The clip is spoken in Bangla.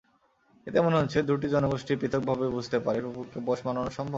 এতে মনে হচ্ছে, দুটি জনগোষ্ঠীই পৃথকভাবে বুঝতে পারে কুকুরকে পোষ মানানো সম্ভব।